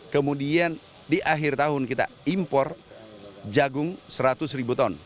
kemudian di akhir tahun kita impor jagung seratus ribu ton